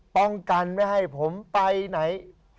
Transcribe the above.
ป้องกันไม่ให้ผมไปไหน